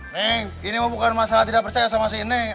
neng ini mah bukan masalah tidak percaya sama si neng